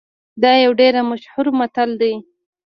دا یو ډیر مشهور متل دی